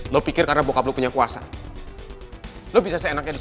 lo pikir karena bokap lo punya kuasa lo bisa seenaknya disini